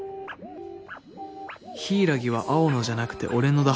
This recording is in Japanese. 「柊は青のじゃなくて俺のだ」